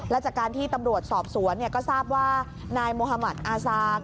และจากการที่ตำรวจสอบสวนก็ทราบว่านายมุธมัติอาซาง